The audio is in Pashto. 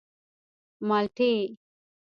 _مالټې.